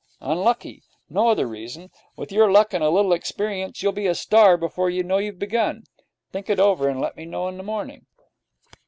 Unlucky. No other reason. With your luck and a little experience you'll be a star before you know you've begun. Think it over, and let me know in the morning.'